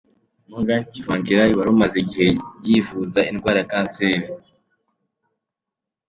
Morgan Tsvangirai wari umaze igihe yivuza indwara ya kanseri.